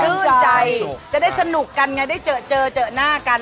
ชื่นใจจะได้สนุกกันไงได้เจอเจอหน้ากัน